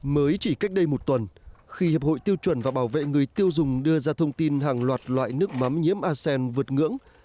mới chỉ cách đây một tuần khi hiệp hội tiêu chuẩn và bảo vệ người tiêu dùng đưa ra thông tin hàng loạt loại nước mắm nhiễm asean vượt ngưỡng